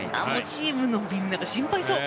チームのみんなが心配そう。